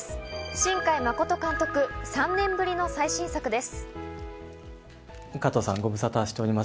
新海誠監督、３年ぶりの最新作です。